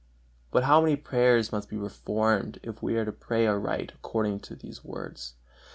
But how many prayers must be reformed, if we are to pray aright according to these words!